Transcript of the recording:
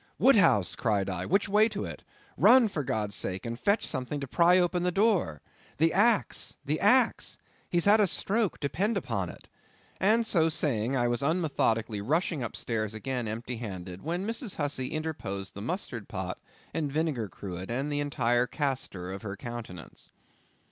"Wood house!" cried I, "which way to it? Run for God's sake, and fetch something to pry open the door—the axe!—the axe! he's had a stroke; depend upon it!"—and so saying I was unmethodically rushing up stairs again empty handed, when Mrs. Hussey interposed the mustard pot and vinegar cruet, and the entire castor of her countenance.